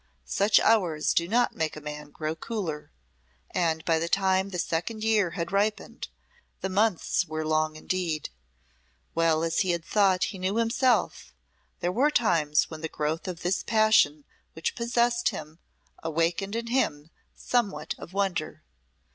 Such hours do not make a man grow cooler, and by the time the second year had ripened, the months were long indeed. Well as he had thought he knew himself, there were times when the growth of this passion which possessed him awaked in him somewhat of wonder.